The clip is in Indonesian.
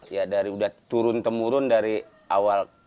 ya dari udah turun temurun dari awal